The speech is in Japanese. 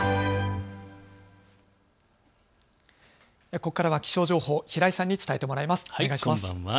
ここからは気象情報、平井さんに伝えてもらいます。